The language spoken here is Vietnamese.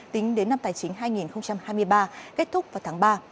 tính đến năm tài chính hai nghìn hai mươi ba kết thúc vào tháng ba